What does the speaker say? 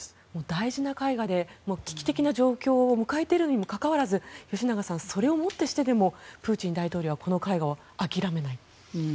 大事な絵画で危機的な状況を迎えているにもかかわらず吉永さん、それをもってしてでもプーチン大統領はこの絵画を諦めない。